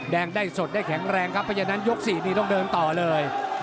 แดงได้สดได้แข็งแรงครับเพราะฉะนั้นยก๔นี่ต้องเดินต่อเลย